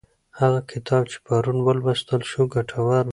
هغه کتاب چې پرون ولوستل شو ګټور و.